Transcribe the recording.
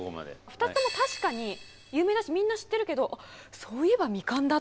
２つとも確かに有名だしみんな知ってるけどそういえば未完だった！